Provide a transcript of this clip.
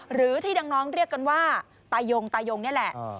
หรือที่น้องเรียกกันว่าตายงตายงนี่แหละ